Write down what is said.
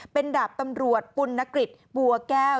เป็นดาบตำรวจปุณนกฤษบัวแก้ว